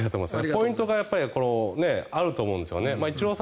ポイントがあると思うんですよね。